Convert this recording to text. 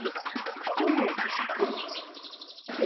区長を保釈。